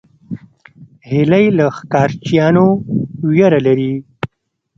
هیلۍ له ښکار چیانو ویره لري